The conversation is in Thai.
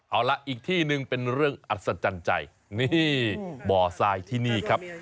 เอาล่ะอีกที่หนึ่งเป็นเรื่องอัศจรรย์ใจนี่บ่อทรายที่นี่ครับ